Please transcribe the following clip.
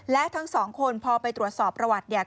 และทั้ง๒คนพอไปตรวจสอบประวัติ